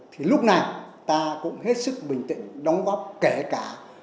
thì lúc này ta cũng hết sức bình tĩnh đóng góp kể cả